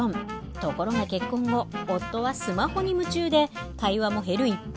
ところが結婚後夫はスマホに夢中で会話も減る一方。